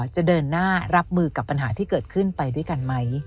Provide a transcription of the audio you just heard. จะเดินหน้ารับมือกับปัญหาที่เกิดขึ้นไปด้วยกันไหม